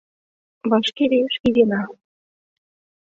Вашке лиеш изина.